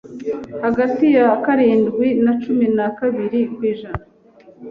hagati ya karindwi na cumi na kabiri kw’ijana